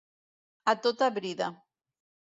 A tota brida.